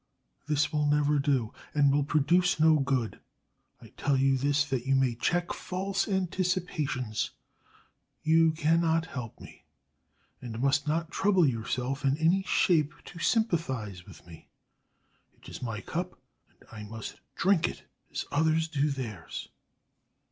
This will never do, and will produce no good. I tell you this that you may check false anticipations. You cannot help me, and must not trouble yourself in any shape to sympathise with me. It is my cup, and I must drink it as others do theirs."